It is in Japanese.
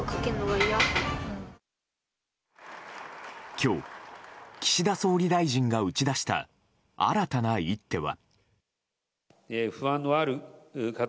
今日岸田総理大臣が打ち出した新たな一手は。